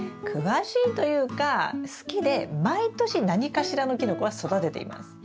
詳しいというか好きで毎年何かしらのキノコは育てています。